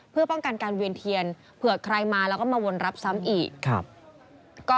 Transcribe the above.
เพื่อป้องกันการเวียนเทียนเผื่อใครมาแล้วก็มาวนรับซ้ำอีก